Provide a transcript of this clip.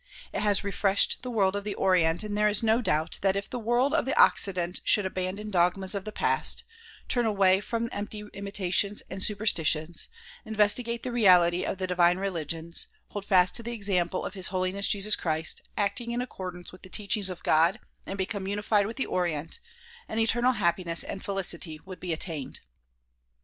It has refreshed the world of the Orient and there is no doubt that if the world of the Occident should abandon dogmas of the past, turn away from empty imitations and superstitions, investigate the reality of the divine religions, holding fast to the example of His Holiness Jesus Christ, acting in accordance with the teachings of God and becoming unified with the Orient, an eternal happiness and felicity would be attained.